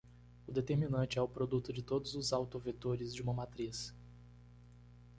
O determinante é o produto de todos os autovetores de uma matriz.